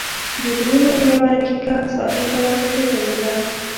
د غرونو یوه ريښکه ساحل ته ورغځېدلې ده.